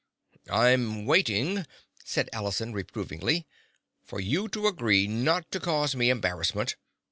"I'm waiting," said Allison reprovingly, "for you to agree not to cause me embarrassment.